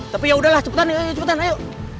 tapi yaudah lah cepetan cepetan ayo